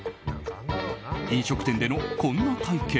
飲食店でのこんな体験。